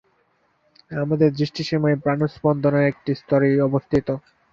আমাদের দৃষ্টির সীমা এই প্রাণস্পন্দনের একটি স্তরেই অবস্থিত।